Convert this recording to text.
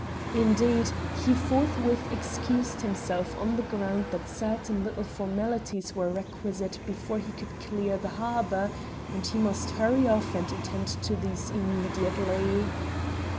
Indeed, he forthwith excused himself on the ground that certain little formalities were requisite before he could clear the harbour, and he must hurry off to attend to these immediately.